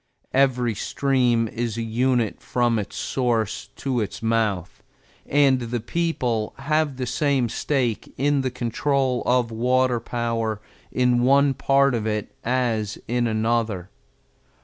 Every stream is a unit from its source to its mouth, and the people have the same stake in the control of water power in one part of it as in another.